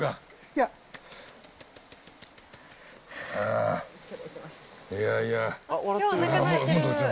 いやいや。